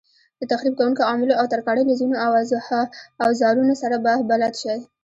د تخریب کوونکو عواملو او ترکاڼۍ له ځینو اوزارونو سره به بلد شئ.